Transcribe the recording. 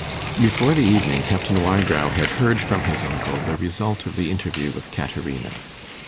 Before the evening, Captain Wybrow had heard from his uncle the result of the interview with Caterina.